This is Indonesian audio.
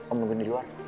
om nunggu di luar